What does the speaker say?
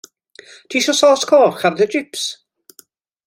Tisio sôs coch ar dy jips?